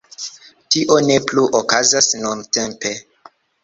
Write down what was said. Tio ne plu okazas nuntempe.